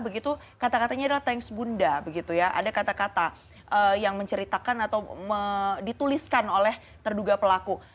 begitu kata katanya adalah teks bunda begitu ya ada kata kata yang menceritakan atau dituliskan oleh terduga pelaku